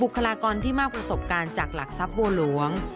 คลากรที่มากประสบการณ์จากหลักทรัพย์บัวหลวง